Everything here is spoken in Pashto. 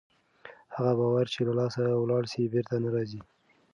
هغه باور چې له لاسه ولاړ سي بېرته نه راځي.